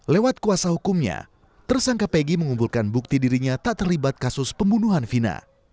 lewat kuasa hukumnya tersangka pegi mengumpulkan bukti dirinya tak terlibat kasus pembunuhan vina